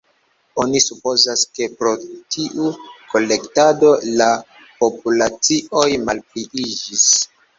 Oni supozas, ke pro tiu kolektado la populacioj malpliiĝis.